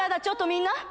ちょっとみんな！